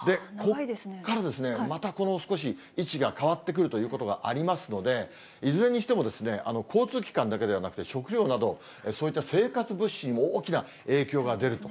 ここからまたこの少し位置が変わってくるということがありますので、いずれにしても交通機関だけではなくて、食料など、そういった生活物資にも大きな影響が出ると。